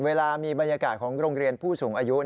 เวลามีบรรยากาศของโรงเรียนผู้สูงอายุ